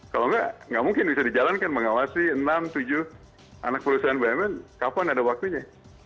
kalau nggak mungkin bisa dijalankan mengawasi enam tujuh anak perusahaan bumn kapan ada waktunya